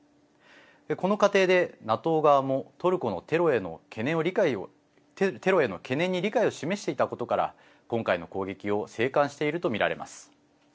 この過程でＮＡＴＯ側もトルコのテロへの懸念に理解を示していたことから今回の攻撃を静観していると見られます。